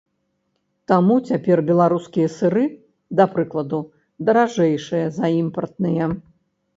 Таму цяпер беларускія сыры, да прыкладу, даражэйшыя за імпартныя.